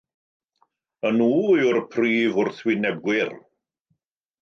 Yn nhw yw'r prif wrthwynebwyr.